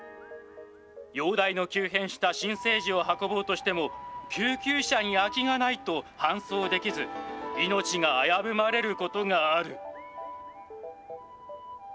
容体の急変した新生児を運ぼうとしても、救急車に空きがないと搬送できず、命が危ぶまれることがある。